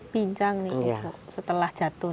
bincang nih ibu setelah jatuh